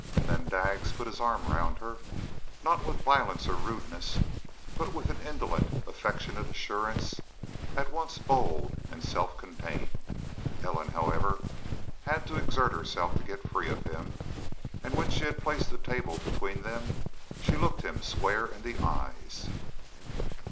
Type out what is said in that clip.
Then Daggs put his arm round her, not with violence or rudeness, but with an indolent, affectionate assurance, at once bold and self contained. Ellen, however, had to exert herself to get free of him, and when she had placed the table between them she looked him square in the eyes.